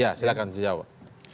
ya silahkan jawab